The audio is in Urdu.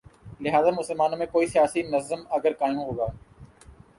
لہذا مسلمانوں میں کوئی سیاسی نظم اگر قائم ہو گا۔